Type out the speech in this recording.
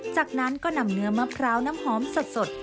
จากนั้นก็นำเนื้อมะพร้าวน้ำหอมสด